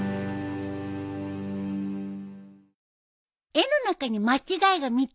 絵の中に間違いが３つあるよ。